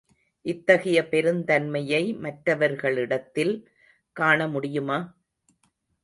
இத்தகைய பெருந்தன்மையை மற்றவர்களிடத்தில் காண முடியுமா?